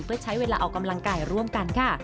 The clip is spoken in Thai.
เพื่อใช้เวลาออกกำลังกายร่วมกันค่ะ